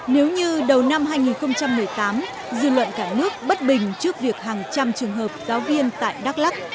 nếu như đầu năm hai nghìn một mươi tám dư luận cả nước bất bình trước việc hàng trăm trường hợp giáo viên tại đắk lắc